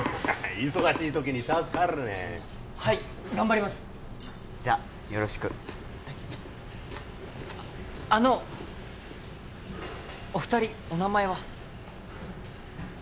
忙しい時に助かるねはい頑張りますじゃよろしくはいああのお二人お名前は？